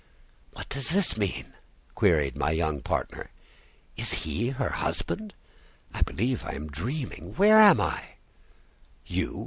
"What does this mean?" queried my young partner. "Is he her husband? I believe I am dreaming. Where am I?" "You!"